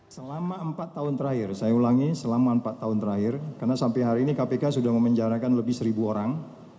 selama empat tahun terakhir saya ulangi karena sampai hari ini kpk sudah memenjarakan lebih satu orang